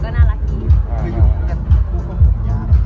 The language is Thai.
เข้ากันอะไรขนาดนี้